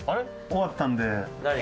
終わったんで。